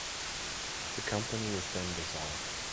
The company is then dissolved.